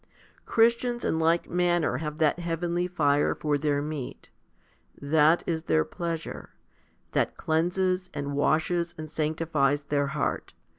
Christians in like manner have that heavenly fire for their meat. That is their pleasure. That cleanses, and washes, and sanctifies their heart.